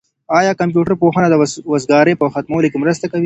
آیا کمپيوټر پوهنه د وزګارۍ په ختمولو کي مرسته کوي؟